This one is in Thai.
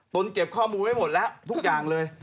เก็บข้อมูลไว้หมดแล้วทุกอย่างเลย